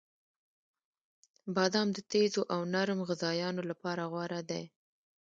• بادام د تیزو او نرم غذایانو لپاره غوره دی.